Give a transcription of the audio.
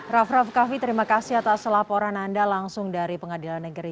raff raff kaffi terima kasih atas laporan anda langsung dari pengadilan negeri